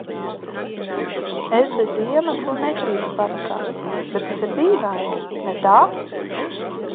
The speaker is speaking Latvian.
Es bez iemesla nekrītu panikā, bet tas ir dīvaini, ne tā?